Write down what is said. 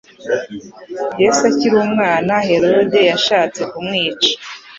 yesu akiri umwana herode yashatse kumwica